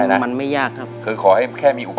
คุณจะกลับก็ได้อย่างนั้นสักครู่